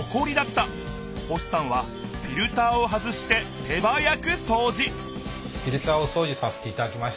星さんはフィルターを外して手早くそうじ！